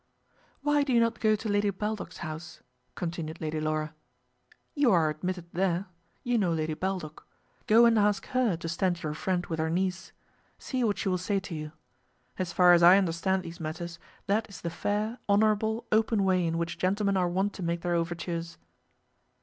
"Why do you not go to Lady Baldock's house?" continued Lady Laura. "You are admitted there. You know Lady Baldock. Go and ask her to stand your friend with her niece. See what she will say to you. As far as I understand these matters, that is the fair, honourable, open way in which gentlemen are wont to make their overtures."